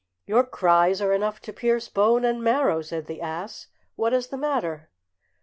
"Your cries are enough to pierce bone and marrow," said the ass; "what is the matter?"